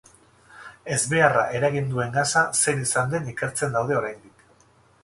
Ezbeharra eragin duen gasa zein izan den ikertzen daude oraindik.